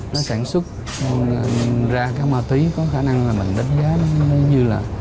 nó sản xuất ra cái ma túy có khả năng là mình đánh giá nó như là